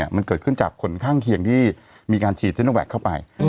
มันเกิดขึ้นจากผลข้างเคียงที่มีการฉีดซิโนแวคเข้าไป